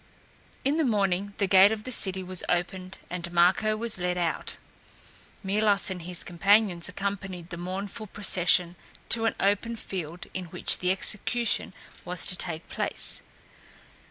In the morning the gate of the city was opened and Marko was led out. Milos and his companions accompanied the mournful procession to an open field in which the execution was to take place.